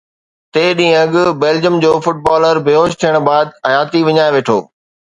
ٽي ڏينهن اڳ بيلجيئم جو فٽبالر بي هوش ٿيڻ بعد حياتي وڃائي ويٺو